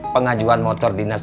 pengajuan motor dinas